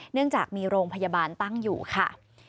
เนื่องจากมีโรงพยาบาลตั้งอยู่ค่ะ